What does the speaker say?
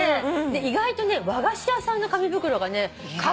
意外とね和菓子屋さんの紙袋がねカッコイイのよ。